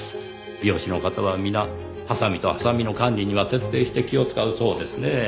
美容師の方は皆ハサミとハサミの管理には徹底して気を使うそうですねぇ。